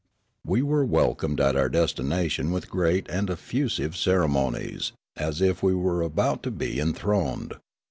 We were welcomed at our destination with great and effusive ceremonies as if we were about to be enthroned.